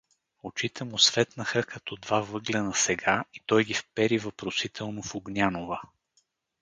Очите му светнаха като два въглена сега и той ги впери въпросително в Огнянова.